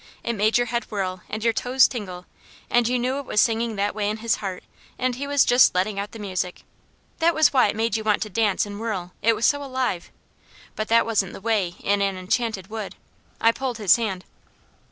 It made your head whirl, and your toes tingle, and you knew it was singing that way in his heart, and he was just letting out the music. That was why it made you want to dance and whirl; it was so alive. But that wasn't the way in an Enchanted Wood. I pulled his hand.